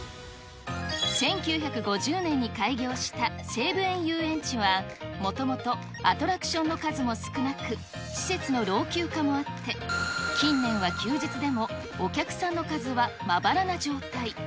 １９５０年に開業した西武園ゆうえんちは、もともとアトラクションの数も少なく、施設の老朽化もあって、近年は休日でも、お客さんの数はまばらな状態。